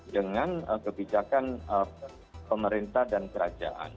dengan kebijakan pemerintah dan kerajaan